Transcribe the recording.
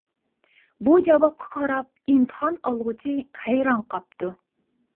بۇ جاۋابقا قاراپ ئىمتىھان ئالغۇچى ھەيران قاپتۇ.